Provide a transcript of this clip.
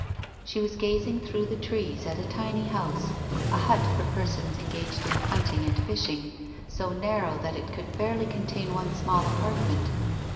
She was gazing through the trees at a tiny house, a hut for persons engaged in hunting and fishing, so narrow that it could barely contain one small apartment.